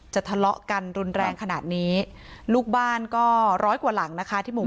ทะเลาะกันรุนแรงขนาดนี้ลูกบ้านก็ร้อยกว่าหลังนะคะที่หมู่